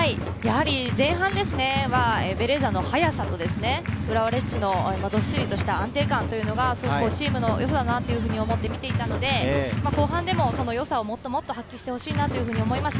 前半はベレーザの速さと、浦和レッズのどっしりとした安定感がチームの良さだと思って見ていたので、後半でも良さをもっと発揮してほしいと思います。